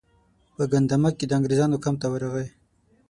په ګندمک کې د انګریزانو کمپ ته ورغی.